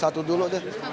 satu dulu deh